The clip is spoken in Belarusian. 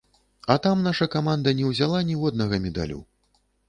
А там наша каманда не ўзяла ніводнага медалю.